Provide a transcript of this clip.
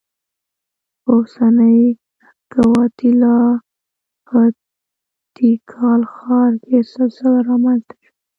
په اوسنۍ ګواتیلا په تیکال ښار کې سلسله رامنځته شوه.